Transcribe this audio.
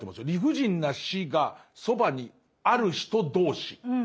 理不尽な死がそばにある人同士。